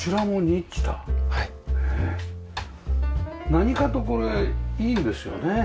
何かとこれいいんですよね。